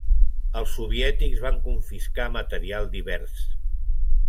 Els soviètics van confiscar material divers.